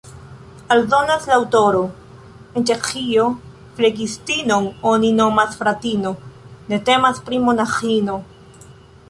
Aldonas la aŭtoro: En Ĉeĥio flegistinon oni nomas fratino: ne temas pri monaĥino.